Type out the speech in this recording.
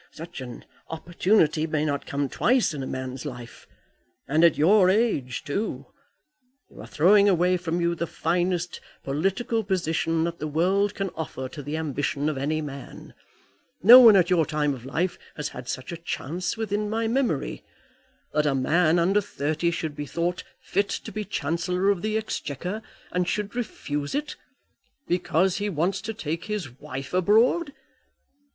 Such an opportunity may not come twice in a man's life. And at your age too! You are throwing away from you the finest political position that the world can offer to the ambition of any man. No one at your time of life has had such a chance within my memory. That a man under thirty should be thought fit to be Chancellor of the Exchequer, and should refuse it, because he wants to take his wife abroad!